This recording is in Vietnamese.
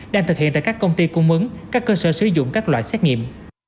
đang thực hiện tại các công ty cung ứng các cơ sở sử dụng các loại xét nghiệm